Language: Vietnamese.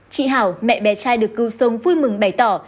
chị hảo mẹ bé trai được cưu sông vui mừng bày tỏ